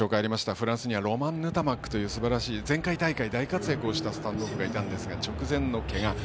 フランスにはロマン・ヌタマックという前回大会で大活躍したスタンドオフがいたんですが直前のけがで。